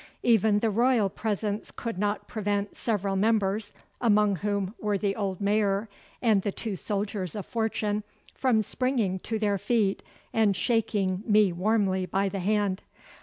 Even the royal presence could not prevent several members, among whom were the old Mayor and the two soldiers of fortune, from springing to their feet and shaking me warmly by the hand.